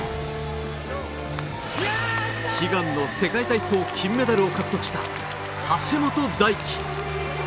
悲願の世界体操金メダルを獲得した橋本大輝。